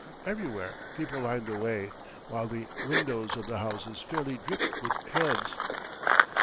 Everywhere people lined the way, while the windows of the houses fairly dripped with heads.